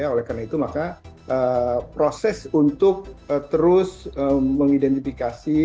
oleh karena itu maka proses untuk terus mengidentifikasi